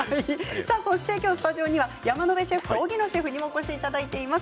そして、今日スタジオには山野辺シェフと荻野シェフにもお越しいただいています。